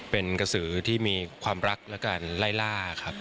เป็นกระสือที่มีความรักและการไล่ล่าครับ